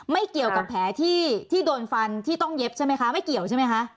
ไม่เกี่ยวกับแผลที่โดนฟันที่ต้องเย็บใช่ไหมคะไม่เกี่ยวใช่ไหมคะ